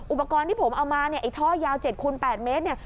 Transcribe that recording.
อุปกรณ์ที่ผมเอามาไอ้ท่อยาว๗คืน๘เมตร